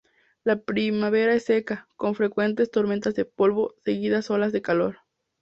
La primavera es seca, con frecuentes tormentas de polvo, seguidas olas de calor.